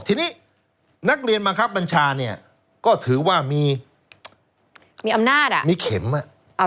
ทีนี้นักเรียนบังคับบัญชาเนี่ยก็ถือว่ามีมีอำนาจอ่ะมีเข็มอ่ะ